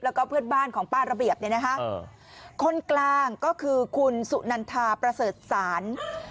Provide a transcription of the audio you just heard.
แล้วก็เพื่อนบ้านของป้าระเบียบเนี่ยนะคะคนกลางก็คือคุณสุนันทาประเสริฐศาล